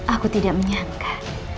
aku tidak menyangka